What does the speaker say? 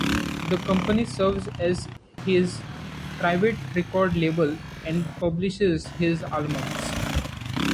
The company serves as his private record label, and publishes his albums.